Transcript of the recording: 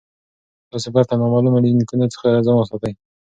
تاسي باید له نامعلومو لینکونو څخه ځان وساتئ.